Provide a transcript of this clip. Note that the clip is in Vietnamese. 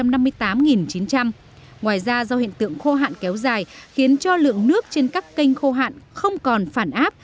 ngoài ra do hiện tượng khô hạn kéo dài khiến cho lượng nước trên các kênh khô hạn không còn phản áp